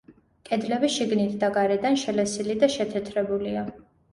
კედლები შიგნით და გარედან შელესილი და შეთეთრებულია.